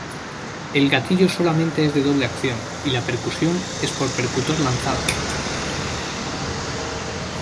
El gatillo solamente es de doble acción y la percusión es por percutor lanzado.